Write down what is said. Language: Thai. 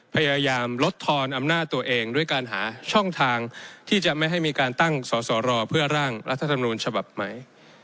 พยายามลดทอนอำนาจตัวเองด้วยการหาช่องทางที่จะไม่ให้มีการตั้งสอสอรอเพื่อร่างรัฐธรรมนูญฉบับใหม่